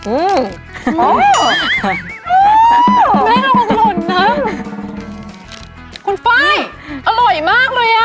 อื้อมวังอุ้งแม่โลกหล่นน้ำคุณไฟด์อร่อยมากเลยอ่ะ